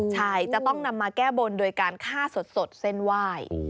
ใช่จะต้องนำมาแก้บนโดยการฆ่าสดเส้นไหว้